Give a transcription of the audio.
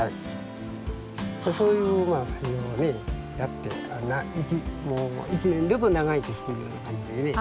そういうふうにやって１年でも長生きするような感じにね。